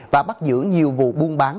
và bắt giữ nhiều vụ buôn bán